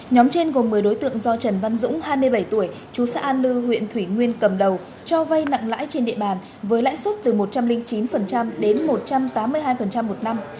nhóm trên gồm một mươi đối tượng do trần văn dũng hai mươi bảy tuổi chú xã an lư huyện thủy nguyên cầm đầu cho vay nặng lãi trên địa bàn với lãi suất từ một trăm linh chín đến một trăm tám mươi hai một năm